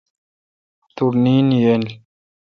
توٹھ نیند ییل۔